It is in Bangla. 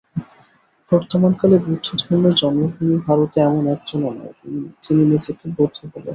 বর্তমানকালে বৌদ্ধধর্মের জন্মভূমি ভারতে এমন একজনও নাই, যিনি নিজেকে বৌদ্ধ বলেন।